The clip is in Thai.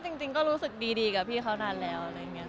จริงก็รู้สึกดีกับพี่เขานานแล้ว